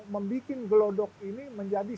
membuat gelodok ini menjadi